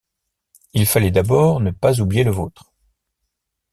Il fallait d'abord ne pas oublier le vôtre.